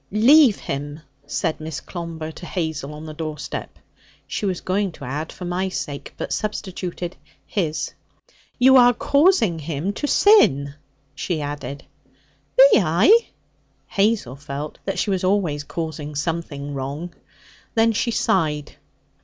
'Leave him!' said Miss Clomber to Hazel on the doorstep. She was going to add 'for my sake,' but substituted 'his.' 'You are causing him to sin,' she added. 'Be I?' Hazel felt that she was always causing something wrong. Then she sighed.